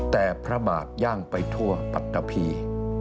แต่พระบาทย่างไปทั่วปรักฏภีร์